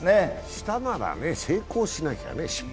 したなら成功しないとね。